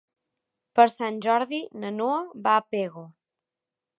Per Sant Jordi na Noa va a Pego.